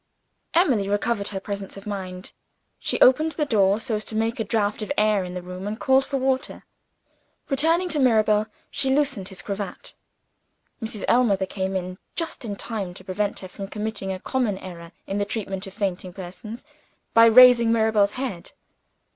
Emily recovered her presence of mind. She opened the door, so as to make a draught of air in the room, and called for water. Returning to Mirabel, she loosened his cravat. Mrs. Ellmother came in, just in time to prevent her from committing a common error in the treatment of fainting persons, by raising Mirabel's head.